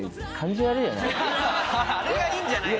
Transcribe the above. あれがいいんじゃないの？